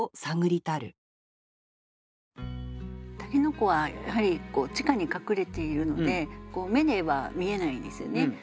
筍はやはり地下に隠れているので目では見えないんですよね。